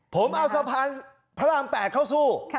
ผมเอาสะพานพระราม๘เข้าสู้